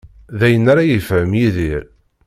D ayen ara yefhem Yidir.